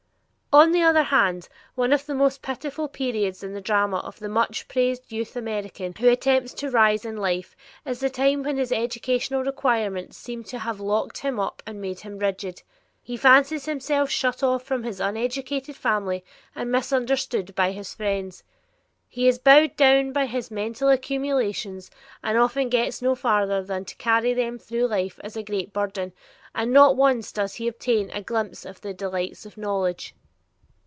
On the other hand, one of the most pitiful periods in the drama of the much praised young American who attempts to rise in life, is the time when his educational requirements seem to have locked him up and made him rigid. He fancies himself shut off from his uneducated family and misunderstood by his friends. He is bowed down by his mental accumulations and often gets no farther than to carry them through life as a great burden, and not once does he obtain a glimpse of the delights of knowledge.